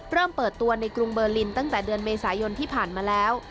เริ่มเปิดตัวในกรุงเบอร์ลินตั้งแต่เดือนเมษายนที่ผ่านมาแล้ว